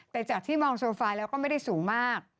แต่จากที่มองโซฟาแล้วก็ไม่ได้สูงมาก